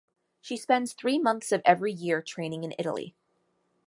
She spends three months of every year training in Italy.